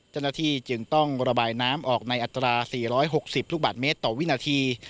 เจ้าหน้าที่จึงต้องระบายน้ำออกในอัตรา๔๖๐ลูกบาทเมตรต่อวินาที